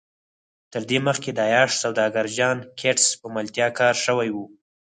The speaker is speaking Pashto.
تر دې مخکې د عياش سوداګر جان ګيټس په ملتيا کار شوی و.